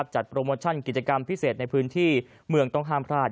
โปรโมชั่นกิจกรรมพิเศษในพื้นที่เมืองต้องห้ามพลาด